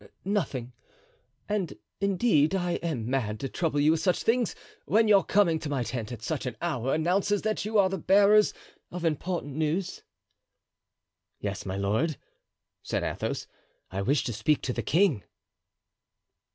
"Nothing; and indeed I am mad to trouble you with such things, when your coming to my tent at such an hour announces that you are the bearers of important news." "Yes, my lord," said Athos, "I wish to speak to the king."